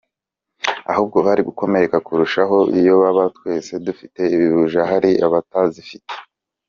Ahubwo bari gukomereka kurushaho iyaba twese dufite buji hari abatazifite.